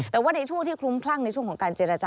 แต่ว่าในช่วงที่คลุ้มคลั่งในช่วงของการเจรจา